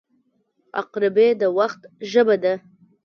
• عقربې د وخت ژبه ده.